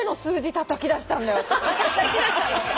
たたき出したの？